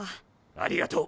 ありがとう。